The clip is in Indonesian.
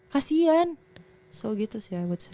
kasian so gitu sih